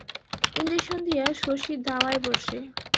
Injection দিয়া শশী দাওয়ায় বসে।